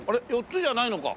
４つじゃないのか。